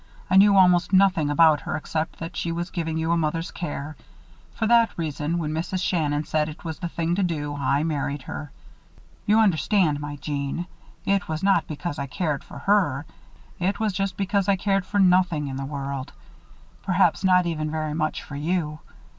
I knew almost nothing about her except that she was giving you a mother's care. For that reason, when Mrs. Shannon said it was the thing to do, I married her. You understand, my Jeanne, it was not because I cared for her it was just because I cared for nothing in the whole world. Perhaps not even very much for you.